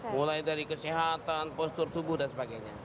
mulai dari kesehatan postur tubuh dan sebagainya